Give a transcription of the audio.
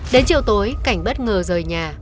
đến chiều tối cảnh bất ngờ rời nhà